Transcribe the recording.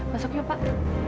masuk yuk pak